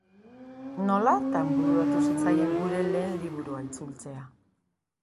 Nolatan bururatu zitzaien gure lehen liburua itzultzea?